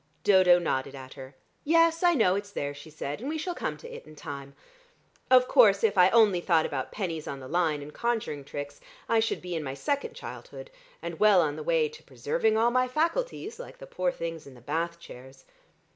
Dodo nodded at her. "Yes, I know it's there," she said, "and we shall come to it in time. Of course, if I only thought about pennies on the line and conjuring tricks I should be in my second childhood, and well on the way to preserving all my faculties like the poor things in the bath chairs.